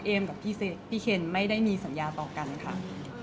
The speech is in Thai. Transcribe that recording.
กับพี่เคนไม่ได้มีสัญญาต่อกันค่ะ